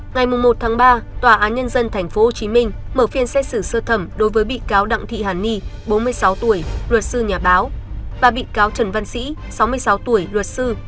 ngày một ba tòa án nhân dân tp hcm mở phiên xét xử sơ thẩm đối với bị cáo đặng thị hàn ni bốn mươi sáu tuổi luật sư nhà báo và bị cáo trần văn sĩ sáu mươi sáu tuổi luật sư